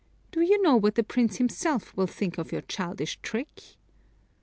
Do you know what the Prince himself will think of your childish trick?"